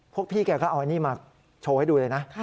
พวกพี่แกก็เอาอันนี้มาโชว์ให้ดูเลยนะ